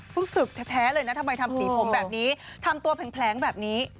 ศึกแท้เลยนะทำไมทำสีผมแบบนี้ทำตัวแผลงแบบนี้